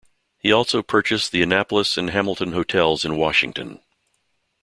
He also purchased the Annapolis and Hamilton hotels in Washington.